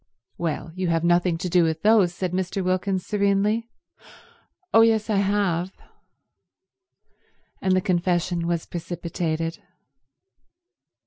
"Well, you have nothing to do with those," said Mr. Wilkins serenely. "Oh yes, I have—" And the confession was precipitated.